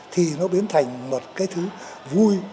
thì nó biến thành một cái thứ vui